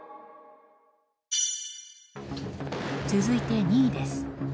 続いて、２位です。